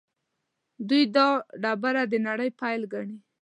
دوی دا ډبره د نړۍ پیل ګڼي.